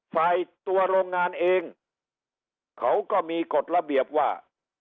ฝ่ายตัวโรงงานเองเขาก็มีกฎระเบียบว่า